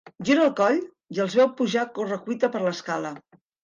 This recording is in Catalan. Gira el coll i els veu pujar a corre-cuita per l'escala.